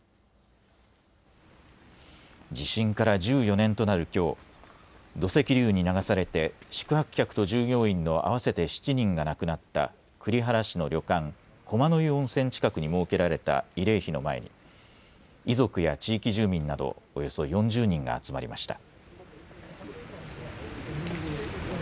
地震から１４年となるきょう、土石流に流されて宿泊客と従業員の合わせて７人が亡くなった栗原市の旅館、駒の湯温泉近くに設けられた慰霊碑の前に遺族や地域住民などおよそ４０人が集まりました。